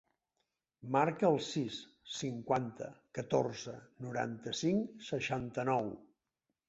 Marca el sis, cinquanta, catorze, noranta-cinc, seixanta-nou.